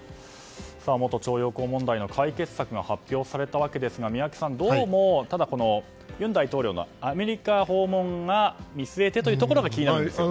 元徴用工問題の解決策が発表されたわけですが宮家さん、ただ尹大統領のアメリカ訪問を見据えてというところが気になりますね。